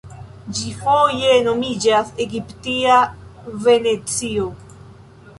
Ĝi foje nomiĝas egiptia Venecio.